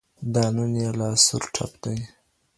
دا نن يې لا سور ټپ دی